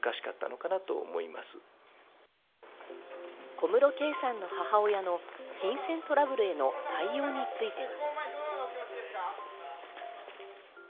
小室圭さんの母親の金銭トラブルへの対応については。